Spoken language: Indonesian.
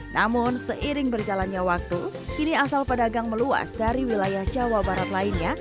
namun seiring berjalannya waktu kini asal pedagang meluas dari wilayah jawa barat lainnya